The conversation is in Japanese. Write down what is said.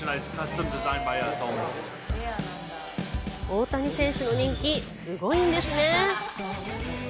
大谷選手の人気、すごいんですね。